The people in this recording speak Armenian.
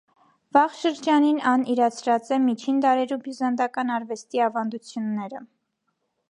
Վաղ շրջանին ան իւրացրած է միջին դարերու բիւզանդական արուեստի աւանդութիւնները։